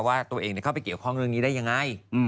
ว่าตัวเองเข้าไปเกี่ยวข้องเรื่องนี้ได้ยังไง